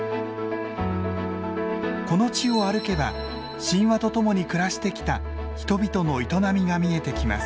この地を歩けば神話と共に暮らしてきた人々の営みが見えてきます。